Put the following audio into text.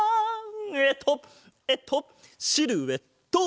えっとえっとシルエット！